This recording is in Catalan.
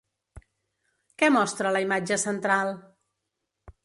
Què mostra la imatge central?